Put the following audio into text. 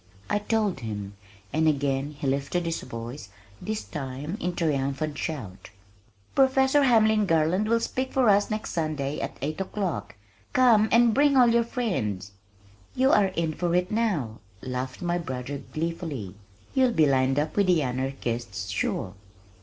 I told him, and again he lifted his voice, this time in triumphant shout, "Professor Hamlin Garland will speak for us next Sunday at eight o'clock. Come and bring all your friends." "You are in for it now," laughed my brother gleefully. "You'll be lined up with the anarchists sure!"